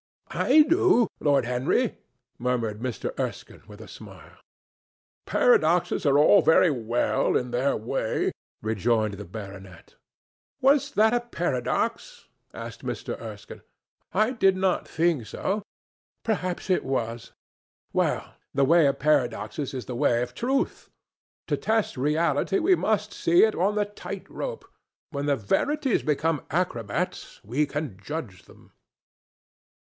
"I do, Lord Henry," murmured Mr. Erskine, with a smile. "Paradoxes are all very well in their way...." rejoined the baronet. "Was that a paradox?" asked Mr. Erskine. "I did not think so. Perhaps it was. Well, the way of paradoxes is the way of truth. To test reality we must see it on the tight rope. When the verities become acrobats, we can judge them."